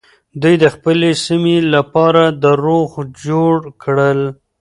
دوی د خپلې سيمې لپاره دروغ جوړ کړل.